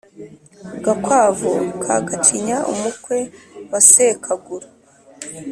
Gakwavu ka Gacinya umukwe wa sekaguru